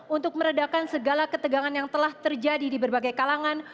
untuk meredakan segala ketegangan yang telah terjadi di berbagai kalangan